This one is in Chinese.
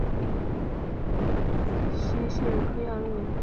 短鞭亚热溪蟹为溪蟹科亚热溪蟹属的动物。